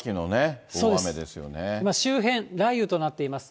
周辺、雷雨となっています。